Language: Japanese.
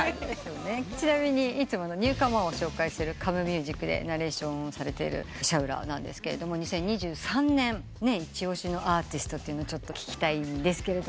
ちなみにいつものニューカマーを紹介するＣｏｍｅｍｕｓｉｃでナレーションをされているシャウラなんですけど２０２３年一押しのアーティストちょっと聞きたいんですけど。